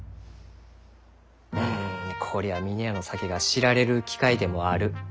うんこりゃあ峰屋の酒が知られる機会でもある。